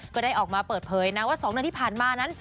ก็ได้ออกมาเปิดเผยนะว่า๒เดือนที่ผ่านมานั้น